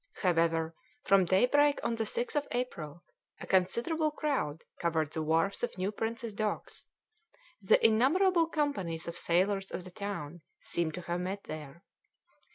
However, from daybreak on the 6th of April a considerable crowd covered the wharfs of New Prince's Docks the innumerable companies of sailors of the town seemed to have met there.